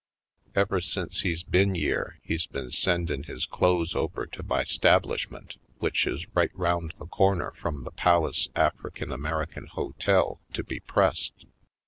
Ever since he's been yere he's been sendin' his clothes over to my 'stablishment, w'ich it is right round the corner f rum the Palace Afro American Hotel, to be pressed.